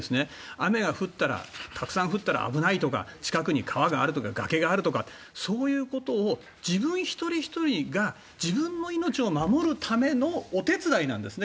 雨がたくさん降ったら危ないとか近くに川があるとか崖があるとかそういうことを自分一人ひとりが自分の命を守るためのお手伝いなんですね